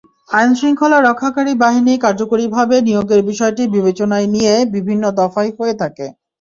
আইনশৃঙ্খলা রক্ষাকারী বাহিনী কার্যকরীভাবে নিয়োগের বিষয়টি বিবেচনায় নিয়ে বিভিন্ন দফায় হয়ে থাকে।